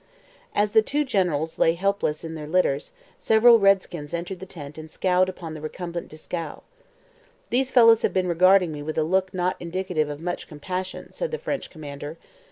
As the two generals lay helpless on their litters, several redskins entered the tent and scowled upon the recumbent Dieskau. 'These fellows have been regarding me with a look not indicative of much compassion,' said the French commander.